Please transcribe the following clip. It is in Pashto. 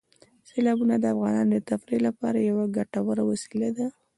سیلابونه د افغانانو د تفریح لپاره یوه ګټوره وسیله ده.